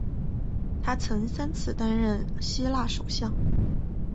他曾三次担任希腊首相。